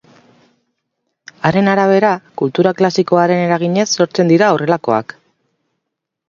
Haren arabera, kultura klasikoaren eraginez sortzen dira horrelakoak.